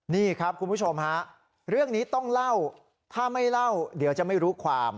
นี่ครับคุณผู้ชมฮะเรื่องนี้ต้องเล่าถ้าไม่เล่าเดี๋ยวจะไม่รู้ความ